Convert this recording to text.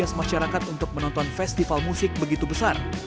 dan antara entusiasma masyarakat untuk menonton festival musik begitu besar